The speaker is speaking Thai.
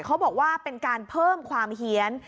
เขาบอกว่าเป็นการเพิ่มความเฮียน